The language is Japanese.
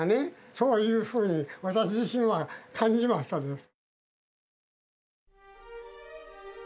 そういうふうに私自身は感じましたです。